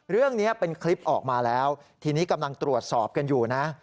เรื่องนี้เป็นคลิปออกมาแล้วทีนี้กำลังตรวจสอบกันอยู่นะ